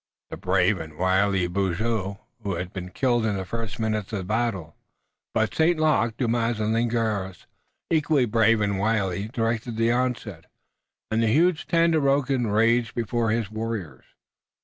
The brave and wily Beaujeu had been killed in the first minute of the battle, but St. Luc, Dumas and Ligneris, equally brave and wily, directed the onset, and the huge Tandakora raged before his warriors.